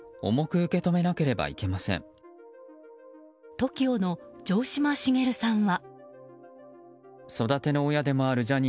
ＴＯＫＩＯの城島茂さんは。